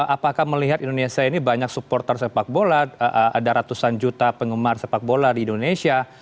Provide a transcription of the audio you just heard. apakah melihat indonesia ini banyak supporter sepak bola ada ratusan juta penggemar sepak bola di indonesia